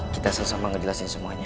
kita sama sama ngejelasin semuanya